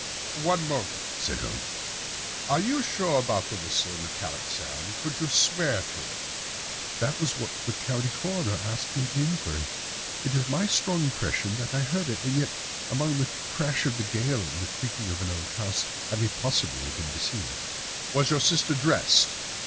"One moment," said Holmes, "are you sure about this whistle and metallic sound? Could you swear to it?" "That was what the county coroner asked me at the inquiry. It is my strong impression that I heard it, and yet, among the crash of the gale and the creaking of an old house, I may possibly have been deceived." "Was your sister dressed?"